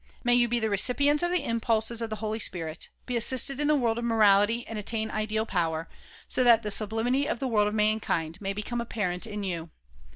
May you be the recipients of the impulses of the Holy Spirit, be assisted in the world of morality and attain ideal power, so that the sublimity of the world of mankind may become apparent in you.